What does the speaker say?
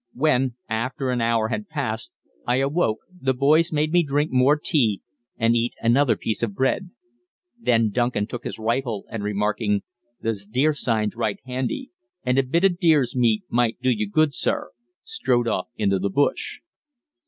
When, after an hour had passed, I awoke, the boys made me drink more tea and eat another piece of bread. Then Duncan took his rifle, and remarking, "The 's deer signs right handy, an' a bit o' deer's meat might do you good, sir," strode off into the bush.